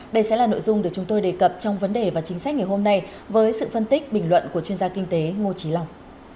đây sẽ là nội dung được chúng tôi đề cập trong vấn đề và chính sách ngày hôm nay với sự phân tích bình luận của chuyên gia kinh tế ngô trí long